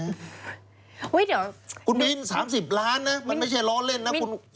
เดี๋ยวคุณมิน๓๐ล้านนะมันไม่ใช่ล้อเล่นนะคุณ